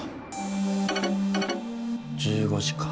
１５時か。